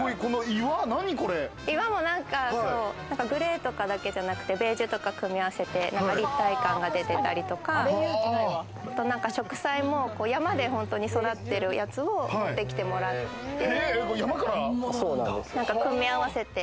岩もグレートとかだけじゃなくて、ベージュとか組み合わせて立体感が出てたりとか、植栽も山で本当に育ってるやつを持ってきてもらって、組み合わせて。